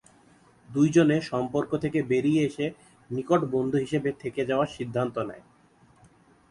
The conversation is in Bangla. দু’জনে সম্পর্ক থেকে বেরিয়ে এসে নিকট বন্ধু হিসেবে থেকে যাওয়ার সিদ্ধান্ত নেয়।